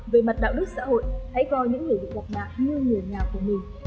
về mặt đạo đức xã hội hãy coi những người bị gặp nạn như người nhà của mình